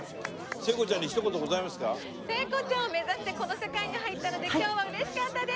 聖子ちゃんを目指してこの世界に入ったので今日は嬉しかったです。